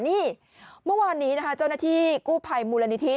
นี่เมื่อวานนี้นะคะเจ้าหน้าที่กู้ภัยมูลนิธิ